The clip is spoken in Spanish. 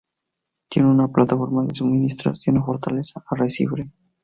Tienen una plataforma de suministros y una fortaleza arrecife.